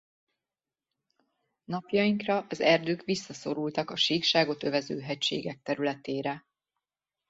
Napjainkra az erdők visszaszorultak a síkságot övező hegységek területére.